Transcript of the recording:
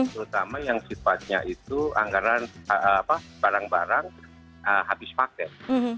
terutama yang sifatnya itu anggaran barang barang habis paket